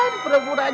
dan berburu aja kan